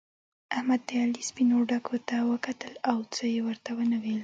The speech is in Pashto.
احمد د علي سپينو ډکو ته وکتل او څه يې ورته و نه ويل.